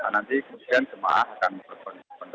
nanti kemudian jemaah akan berkondisi